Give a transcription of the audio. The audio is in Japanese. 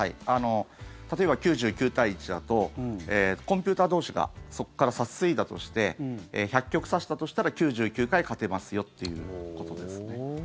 例えば９９対１だとコンピューター同士がそこから指し継いだとして１００局指したとしたら９９回勝てますよっていうことですね。